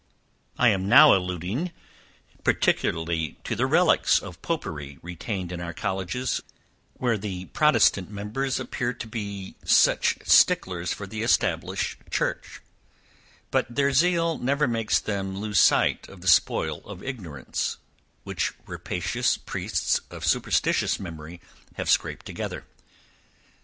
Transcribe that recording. I am now alluding particularly to the relicks of popery retained in our colleges, where the protestant members seem to be such sticklers for the established church; but their zeal never makes them lose sight of the spoil of ignorance, which rapacious priests of superstitious memory have scraped together.